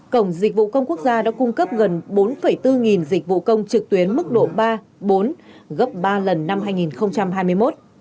cổng dịch vụ công quốc gia đã cung cấp gần bốn bốn nghìn dịch vụ công trực tuyến mức độ ba bốn gấp ba lần năm hai nghìn hai mươi một